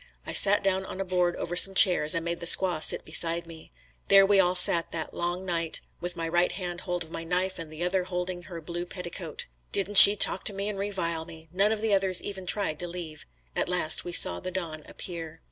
I sat down on a board over some chairs and made the squaw sit beside me. There we sat all that long night with my right hand hold of my knife and the other holding her blue petticoat. Didn't she talk to me and revile me? None of the others even tried to leave. At last we saw the dawn appear.